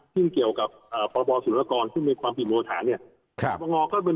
ซึ่งเกี่ยวกับพรบศุลกรซึ่งมีความผิดโมทฐานเนี่ย